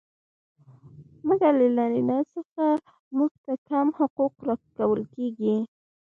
مګر له نارينه څخه موږ ته کم حقوق را کول کيږي.